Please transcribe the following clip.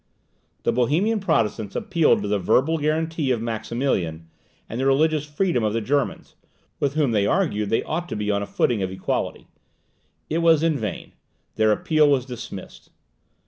The Bohemian Protestants appealed to the verbal guarantee of Maximilian, and the religious freedom of the Germans, with whom they argued they ought to be on a footing of equality. It was in vain their appeal was dismissed.